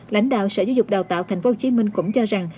lãnh đạo sở giáo dục đào tạo tp hcm cũng cho rằng